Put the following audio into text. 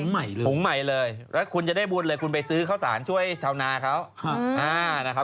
ใหม่เลยถุงใหม่เลยแล้วคุณจะได้บุญเลยคุณไปซื้อข้าวสารช่วยชาวนาเขานะครับ